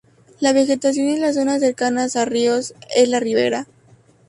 La vegetación en las zonas cercanas a ríos es de ribera.